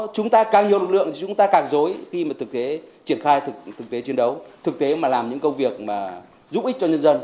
chúng ta càng nhiều lực lượng thì chúng ta càng dối khi mà thực tế triển khai thực tế chiến đấu thực tế mà làm những công việc mà giúp ích cho nhân dân